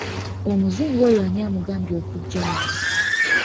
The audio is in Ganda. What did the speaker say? Omuzungu oyo ani amugambye okujja wano?